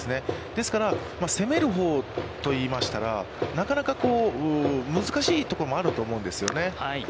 ですから、攻めるほうといいましたら、なかなか難しいところもあると思うんですよね。